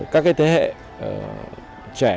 các thế hệ trẻ hiện nay